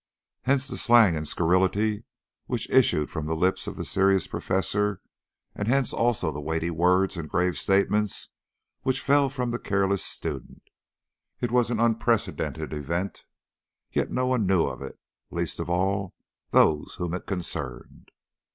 Hence the slang and scurrility which issued from the lips of the serious Professor, and hence also the weighty words and grave statements which fell from the careless student. It was an unprecedented event, yet no one knew of it, least of all those whom it concerned.